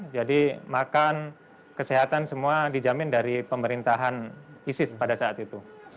jadi makan kesehatan semua dijamin dari pemerintahan isis pada saat itu